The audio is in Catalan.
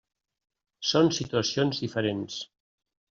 Són situacions diferents.